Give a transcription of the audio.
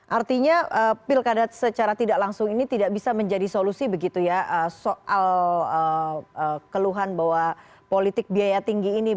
artinya pilkada secara tidak langsung ini tidak bisa menjadi solusi begitu ya soal keluhan bahwa politik biaya tinggi ini